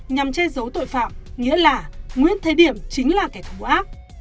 nhằm che giấu tội phạm nghĩa là nguyễn thế điểm chính là kẻ thù ác